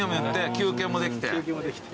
休憩もできて。